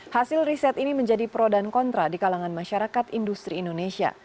hasil riset ini menjadi pro dan kontra di kalangan masyarakat industri indonesia